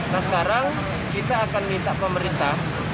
nah sekarang kita akan minta pemerintah